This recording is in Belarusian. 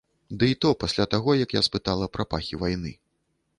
Дый то пасля таго, як я спытала пра пахі вайны.